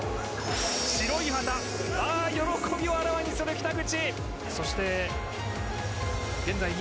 白い旗喜びをあらわにする北口！